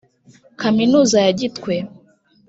kaminuza ya gitwe